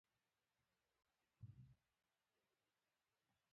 او نه دَصنعت او تجارت